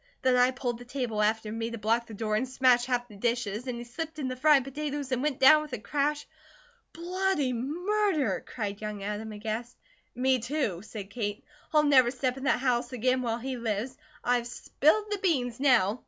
Then I pulled the table after me to block the door, and smashed half the dishes and he slipped in the fried potatoes and went down with a crash " "Bloody Murder!" cried young Adam, aghast. "Me, too!" said Kate. "I'll never step in that house again while he lives. I've spilled the beans, now."